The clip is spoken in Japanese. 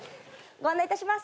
ご案内いたします。